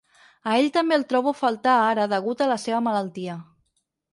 A ell també el trobo a faltar ara degut a la seva malaltia.